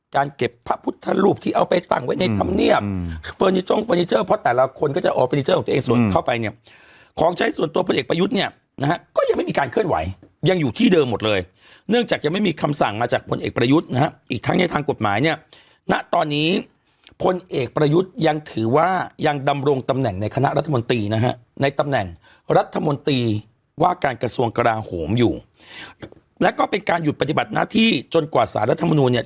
การเก็บพระพุทธรูปที่เอาไปตั้งไว้ในธรรมเนียมเฟอร์นิเจอร์เฟอร์นิเจอร์เฟอร์นิเจอร์เฟอร์นิเจอร์เฟอร์นิเจอร์เฟอร์นิเจอร์เฟอร์นิเจอร์เฟอร์นิเจอร์เฟอร์นิเจอร์เฟอร์นิเจอร์เฟอร์นิเจอร์เฟอร์นิเจอร์เฟอร์นิเจอร์เฟอร์นิเจอร์เฟอร์นิเจอร์เฟ